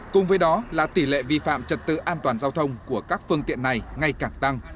cùng với đó là tỷ lệ vi phạm trật tự an toàn giao thông của các phương tiện này ngay càng tăng